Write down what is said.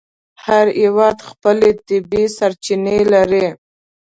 هر هېواد خپلې طبیعي سرچینې لري.